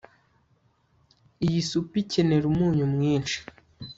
iyi supu ikenera umunyu mwinshi